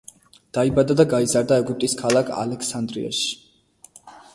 დაიბადა და გაიზარდა ეგვიპტის ქალაქ ალექსანდრიაში.